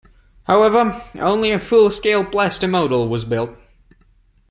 However, only a full-scale plaster model was built.